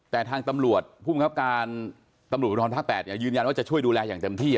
แต่ทางตำรวจภูมิครับการตำรวจภูทรภาค๘ยืนยันว่าจะช่วยดูแลอย่างเต็มที่